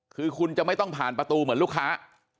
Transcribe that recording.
คือคุณจะไม่ต้องผ่านประตูเหมือนลูกค้า